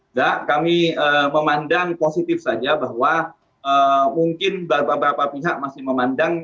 enggak kami memandang positif saja bahwa mungkin beberapa pihak masih memandang